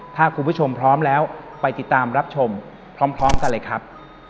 ถ้าคุณผู้ชมพร้อมแล้วไปติดตามรับชมพร้อมกันเลยครับ